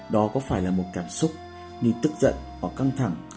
đó có phải là một cảm xúc như tức giận hoặc căng thẳng